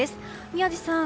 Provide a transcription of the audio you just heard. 宮司さん